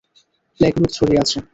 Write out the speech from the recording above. প্লেগ-রোগ ছড়িয়ে আছে।